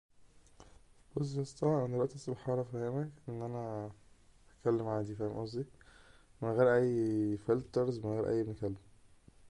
The bookshop offers mostly hard-to-find books and Filipiniana reading materials.